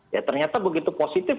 ya ternyata begitu positif